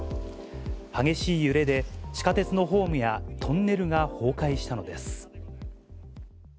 激しい揺れで地下鉄のホームやトンネルが崩壊したのです。